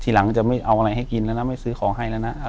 หลังจะไม่เอาอะไรให้กินแล้วนะไม่ซื้อของให้แล้วนะ